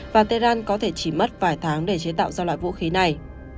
và tehran có thể chỉ mất vài tháng để chế tạo ra loại vũ khí này